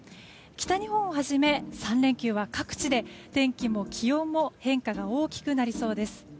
北日本をはじめ３連休は各地で天気も気温も変化が大きくなりそうです。